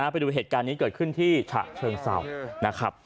ไปดูเหตุการณ์นี้เกิดขึ้นที่ฉะเชิงเศร้านะครับ